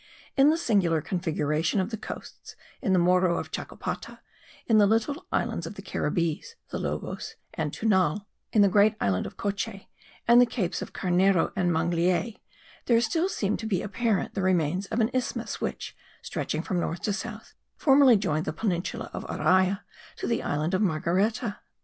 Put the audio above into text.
In the singular configuration of the coasts in the Morro of Chacopata; in the little islands of the Caribbees, the Lobos and Tunal; in the great island of Coche, and the capes of Carnero and Mangliers there still seem to be apparent the remains of an isthmus which, stretching from north to south, formerly joined the peninsula of Araya to the island of Margareta.